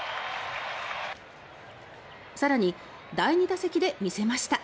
更に、第２打席で見せました。